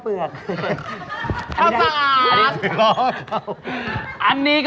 ถูก